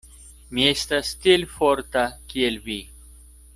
Mi estas tiel forta, kiel vi.